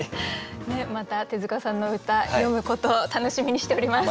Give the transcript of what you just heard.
また手塚さんの歌読むことを楽しみにしております。